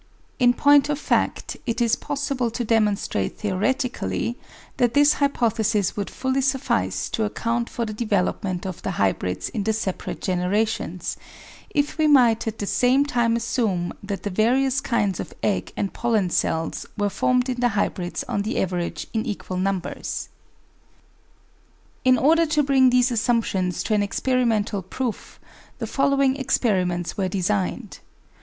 In point of fact it is possible to demonstrate theoretically that this hypothesis would fully suffice to account for the development of the hybrids in the separate generations, if we might at the same time assume that the various kinds of egg and pollen cells were formed in the hybrids on the average in equal numbers. 1 In order to bring these assumptions to an experimental proof, the following experiments were designed.